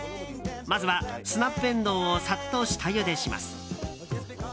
まずは、スナップエンドウをさっと下ゆでします。